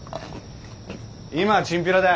今はチンピラだよ。